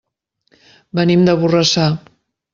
Venim de Borrassà.